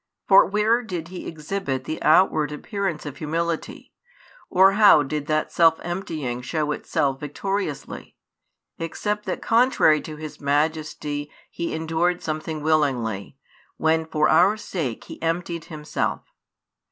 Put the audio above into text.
For where did He exhibit the outward appearance of humility, or how did that self emptying show itself victoriously, except that contrary to His Majesty He endured something willingly, when for our sake He emptied Himself?